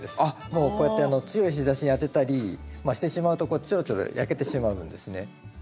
もうこうやって強い日ざしに当てたりしてしまうとこうやってちょろちょろ焼けてしまうんですね。